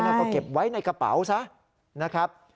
แล้วก็เก็บไว้ในกระเป๋าซะนะครับ